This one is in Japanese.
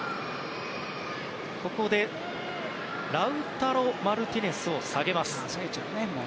ここでラウタロ・マルティネスを下げます。